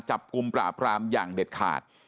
จับกลุ่มปราบรามอย่างเด็ดขาด